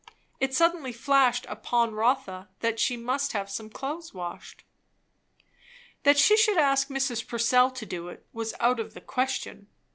It suddenly flashed upon Rotha that she must have some clothes washed. That she should ask Mrs. Purcell to do it, was out of the question.